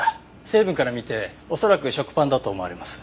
成分から見て恐らく食パンだと思われます。